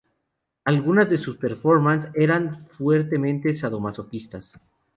Algunas de sus performance eran fuertemente sadomasoquistas.